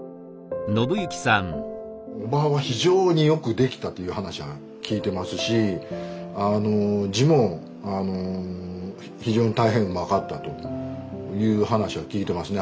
おばは非常によくできたという話は聞いてますしあの字も非常に大変うまかったという話は聞いてますね。